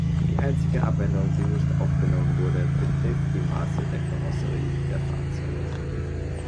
Die einzige Abänderung, die nicht aufgenommen wurde, betrifft die Maße der Karosserie der Fahrzeuge.